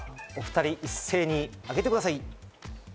ではお２人、一斉に上げてください。